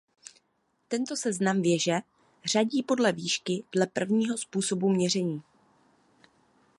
Tento seznam věže řadí podle výšky dle prvního způsobu měření.